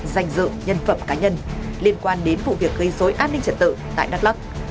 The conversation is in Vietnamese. danh dự nhân phẩm cá nhân liên quan đến vụ việc gây dối an ninh trật tự tại đắk lắc